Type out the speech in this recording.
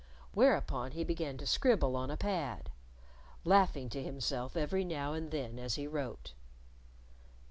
Whereupon he began to scribble on a pad, laughing to himself every now and then as he wrote.